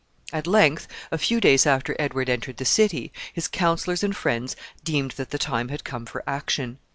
At length, a few days after Edward entered the city, his counselors and friends deemed that the time had come for action.